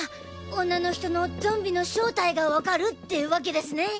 女の人のゾンビの正体が分かるってワケですね！